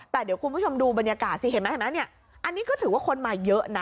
แต่เดี๋ยวคุณผู้ชมดูบรรยากาศสิเห็นไหมเห็นไหมเนี่ยอันนี้ก็ถือว่าคนมาเยอะนะ